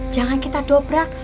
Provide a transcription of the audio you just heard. jangan kita dobrak